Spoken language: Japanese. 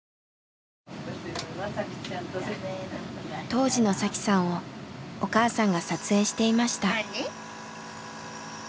当時の紗輝さんをお母さんが撮影していました。